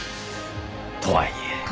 とはいえ。